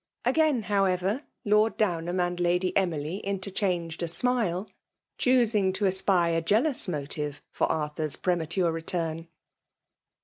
Again, however. Lord Downham and Lady Emily interchanged a smile ; choosing to espy a jealous motive for Arthur s premature return.